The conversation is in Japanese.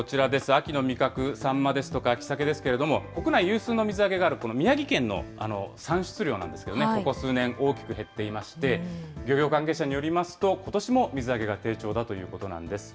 秋の味覚、サンマですとか、秋サケですけれども、国内有数の水揚げがある宮城県の産出量なんですけどね、ここ数年、大きく減っていまして、漁業関係者によりますと、ことしも水揚げが低調だということなんです。